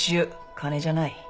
金じゃない。